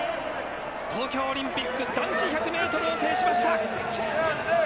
東京オリンピック男子１００ｍを制しました。